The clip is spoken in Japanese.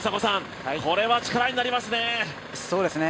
これは力になりますね！